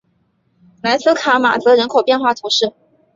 莱斯卡马泽人口变化图示